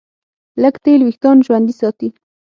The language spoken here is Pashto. لږ تېل وېښتيان ژوندي ساتي.